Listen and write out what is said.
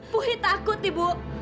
puhi takut ibu